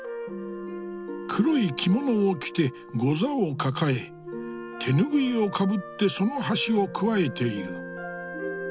黒い着物を着てゴザを抱え手拭いをかぶってその端をくわえている。